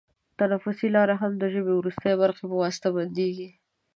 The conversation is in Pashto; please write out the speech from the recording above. تنفسي لاره هم د ژبۍ وروستۍ برخې په واسطه بندېږي.